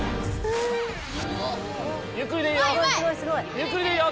ゆっくりでいいよ。